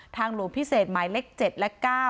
หลวงพิเศษหมายเลข๗และ๙